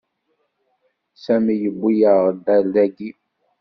Sami yewwi-yaɣ-d ar dagi.